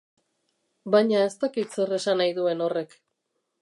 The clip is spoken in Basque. Baina ez dakit zer esan nahi duen horrek.